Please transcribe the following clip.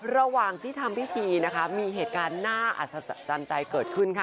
ระหว่างที่ทำพิธีนะคะมีเหตุการณ์น่าอัศจรรย์ใจเกิดขึ้นค่ะ